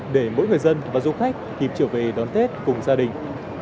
để mỗi người dân và du khách kịp trở về đón tết cùng gia đình